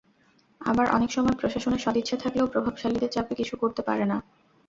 আবার অনেক সময় প্রশাসনের সদিচ্ছা থাকলেও প্রভাবশালীদের চাপে কিছু করতে পারে না।